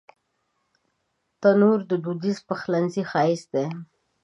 تنور د دودیز پخلنځي ښایست دی